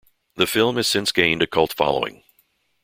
The film has since gained a cult following.